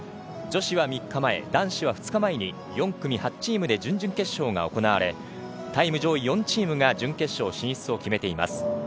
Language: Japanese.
女子は３日前男子は２日前に４組８チームで準々決勝が行われタイム上位４チームが準決勝進出を決めています。